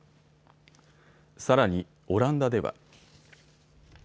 さらにオランダでは。